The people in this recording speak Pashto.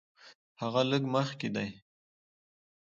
هغه لږ مخکې دی.